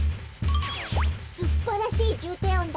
すっばらしいじゅうていおんだな。